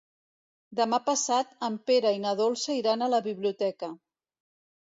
Demà passat en Pere i na Dolça iran a la biblioteca.